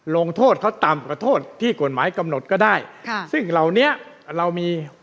ลงโทษเขาต่ำกว่าโทษที่กฎหมายกำหนดก็ได้ค่ะซึ่งเหล่านี้เรามี